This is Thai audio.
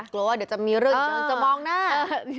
กลัวว่าเดี๋ยวจะมีเรื่องกำลังจะมองหน้า